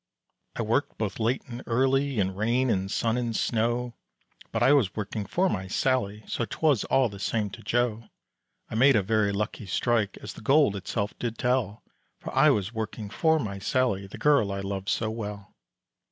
I worked both late and early In rain and sun and snow, But I was working for my Sallie So 'twas all the same to Joe. I made a very lucky strike As the gold itself did tell, For I was working for my Sallie, The girl I loved so well.